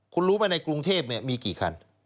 คุณรู้ไหมในกรุงเทพมีกี่คัน